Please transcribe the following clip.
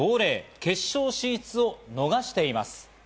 決勝進出を逃しています。